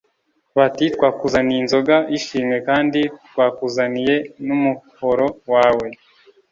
Bati :» twakuzaniye inzoga y’ishimwe kandi twakuzaniye n’umuhoro wawe.